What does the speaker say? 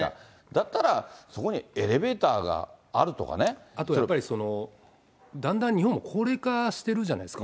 だったら、そこにエレベーターがあとやっぱり、だんだん日本も高齢化してるじゃないですか。